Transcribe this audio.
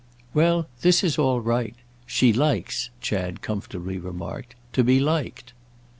_" "Well, this is all right. She likes," Chad comfortably remarked, "to be liked."